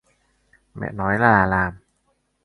mẹ nói là làm